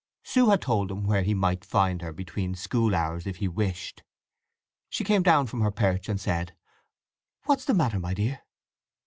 Sue had told him where he might find her between school hours, if he wished. She came down from her perch, and said, "What's the matter, my dear?"